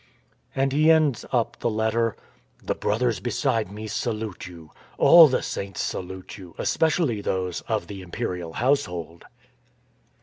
And he ends up the letter: " The brothers beside me salute you. All the saints salute you, especially those of the Imperial household."